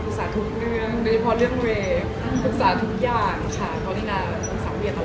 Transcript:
ปรึกษาทุกอย่างค่ะเพราะรินาปรุกษาเวียบตลอด